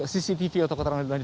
cctv atau keterangan